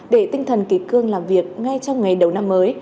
để tinh thần kỳ cương làm việc ngay trong ngày đầu năm mới